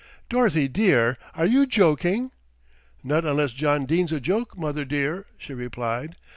"Dorothy dear, are you joking?" "Not unless John Dene's a joke, mother dear," she replied.